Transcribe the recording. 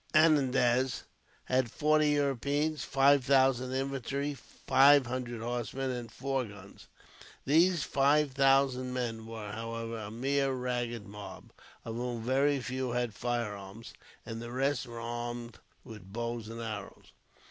Anandraz had forty Europeans, five thousand infantry, five hundred horsemen, and four guns. These five thousand men were, however, a mere ragged mob, of whom very few had firearms, and the rest were armed with bows and arrows.